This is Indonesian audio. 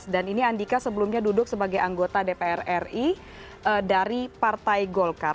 ini andika sebelumnya duduk sebagai anggota dpr ri dari partai golkar